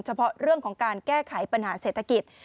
เฉพาะเรื่องของการแก้ไขปัญหาเศรษฐกิจ